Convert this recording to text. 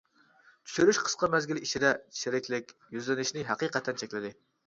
چۈشۈرۈش قىسقا مەزگىل ئىچىدە چىرىكلىك يۈزلىنىشىنى ھەقىقەتەن چەكلىدى.